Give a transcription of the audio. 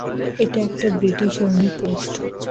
এটা একটা British army post.